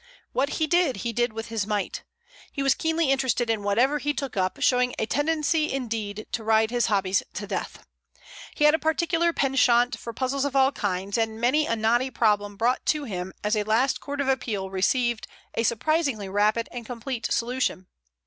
What he did, he did with his might. He was keenly interested in whatever he took up, showing a tendency, indeed, to ride his hobbies to death. He had a particular penchant for puzzles of all kinds, and many a knotty problem brought to him as a last court of appeal received a surprisingly rapid and complete solution.